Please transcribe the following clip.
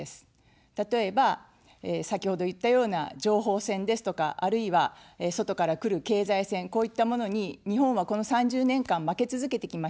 例えば、先ほど言ったような情報戦ですとか、あるいは外からくる経済戦、こういったものに日本は、この３０年間負け続けてきました。